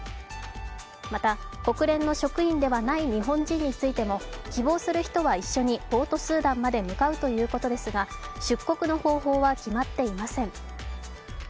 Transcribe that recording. また国連の職員ではない日本人についても希望する人は一緒にポートスーダンまで向かうということですが出国の方法は決まっていません。